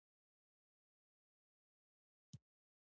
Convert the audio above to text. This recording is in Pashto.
ټول موجودات سره نښلیدلي دي.